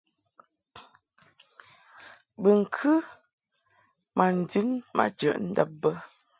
Bɨŋkɨ ma ndin ma jəʼ ndab bə.